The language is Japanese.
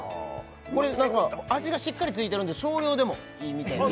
これ味がしっかりついてるんで少量でもいいみたいです